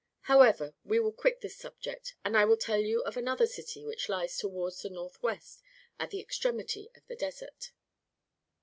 However, we will quit this subject, and I will tell you of another city which lies towards the north west at the extremity of the desert.